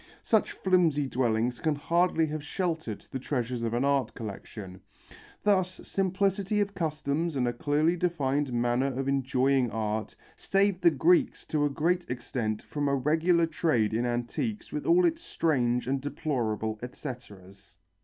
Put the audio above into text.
Such flimsy dwellings can hardly have sheltered the treasures of an art collection. Thus simplicity of customs and a clearly defined manner of enjoying art, saved the Greeks to a great extent from a regular trade in antiques with all its strange and deplorable etceteras.